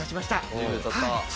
１０秒経った。